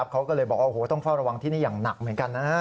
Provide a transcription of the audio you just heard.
เขาก็เลยบอกว่าต้องเฝ้าระวังที่นี่อย่างหนักเหมือนกันนะฮะ